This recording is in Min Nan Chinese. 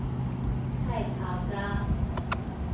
菜頭鬃